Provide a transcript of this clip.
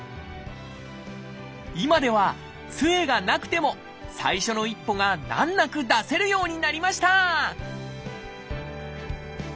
今ではつえがなくても最初の一歩が難なく出せるようになりました！